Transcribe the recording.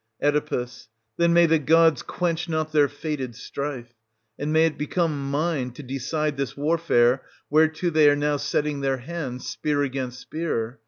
Oe. Then may the gods quench not their fated strife, and may it become mine to decide this warfare whereto they are now setting their hands, spear against spear